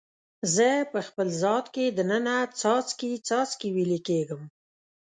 زه په خپل ذات کې د ننه څاڅکي، څاڅکي ویلي کیږم